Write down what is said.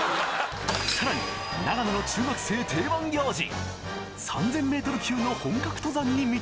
さらに長野の中学生定番行事３０００ｍ級の本格登山に密着！